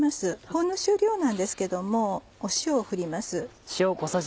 ほんの少量なんですけども塩を振ります。